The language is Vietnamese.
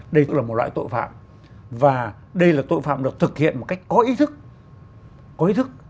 đây cũng là một loại tội phạm và đây là tội phạm được thực hiện một cách có ý thức có ý thức